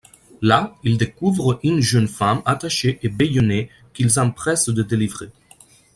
Là, ils découvrent une jeune femme attachée et bâillonnée, qu'ils s'empressent de délivrer.